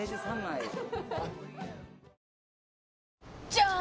じゃーん！